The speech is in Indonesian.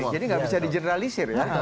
jadi tidak bisa di generalisir ya